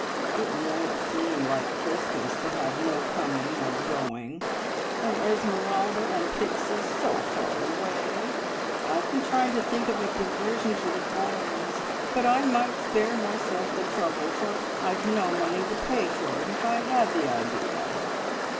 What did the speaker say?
"It won't seem like Christmas to have no coming nor going, and Esmeralda and Pixie so far away. I have been trying to think of a diversion for the boys, but I might spare myself the trouble, for I've no money to pay for it if I had the idea."